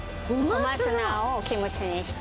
小松菜をキムチにして。